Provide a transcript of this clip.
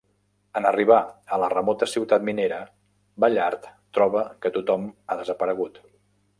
En arribar a la remota ciutat minera, Ballard troba que tothom ha desaparegut.